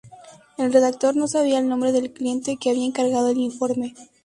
El redactor no sabía el nombre del cliente que había encargado el informe.